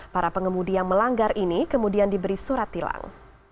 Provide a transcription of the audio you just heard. para pengemudi yang melanggar ini kemudian diberi surat tilang